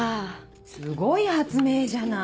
すごい発明じゃない！